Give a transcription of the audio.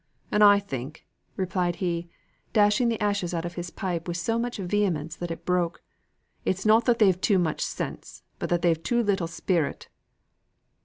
"An' I think," replied he, dashing the ashes out of his pipe with so much vehemence that it broke, "it's not that they've too much sense, but that they've too little spirit."